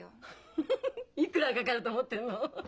フフフいくらかかると思ってるの？